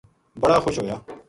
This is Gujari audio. بڑا خوش ہویا